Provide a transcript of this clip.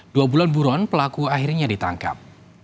dua bulan buron pelaku akhirnya ditangkap